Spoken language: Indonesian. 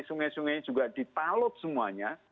sungai sungai juga di talop semuanya